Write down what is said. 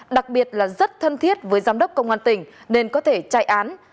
đặc biệt là rất thân thiết với giám đốc công an tỉnh nên có thể chạy án